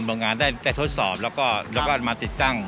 โรงงานได้ทดสอบแล้วก็มาติดตั้ง